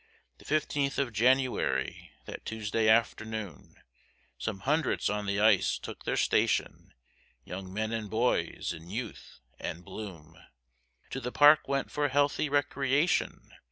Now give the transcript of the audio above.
The 15th of January, that Tuesday afternoon, Some hundreds on the ice took their station, Young men and boys, in youth and bloom, To the park went for healthy recreation.